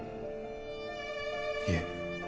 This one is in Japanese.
いえ。